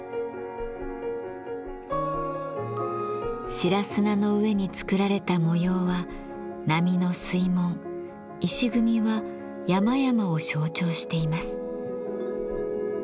白砂の上につくられた模様は波の水紋石組みは山々を象徴しています。